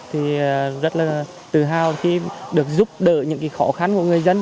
thì rất là tự hào khi được giúp đỡ những khó khăn của người dân